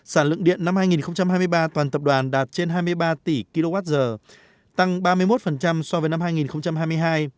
sản lượng điện năm hai nghìn hai mươi ba toàn tập đoàn đạt trên hai mươi ba tỷ kwh tăng ba mươi một so với năm hai nghìn hai mươi hai